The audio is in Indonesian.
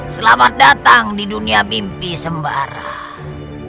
selamat datang di dunia mimpi sembarang